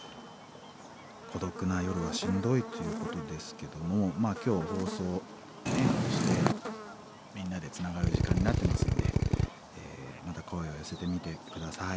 孤独な夜はしんどいということですけどもまあ今日放送こうしてみんなでつながる時間になってますんでまた声を寄せてみて下さい。